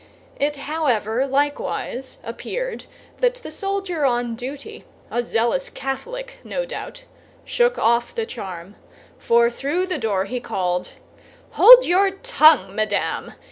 It however likewise appeared that the soldier on duty—a zealous Catholic, no doubt—shook off the charm, for through the door he called: "Hold your tongue, madame!